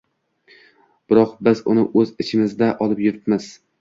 Biroq biz uni o‘z ichimizda olib yuribmiz